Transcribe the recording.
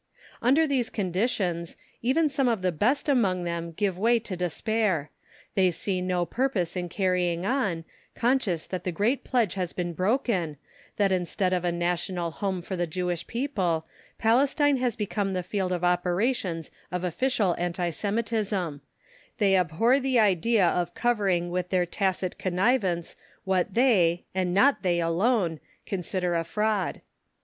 Under these conditions, even some of the best among them give way to despair; they see no purpose in carrying on, conscious that the great pledge has been broken, that instead of a National Home for the Jewish people, Palestine has become the field of operations of official anti Semitism; they abhor the idea of covering with their tacit connivance what they and not they alone consider a fraud.